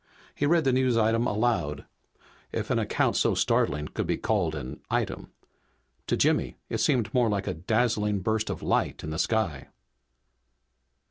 He read the news item aloud, if an account so startling could be called an item. To Jimmy it seemed more like a dazzling burst of light in the sky.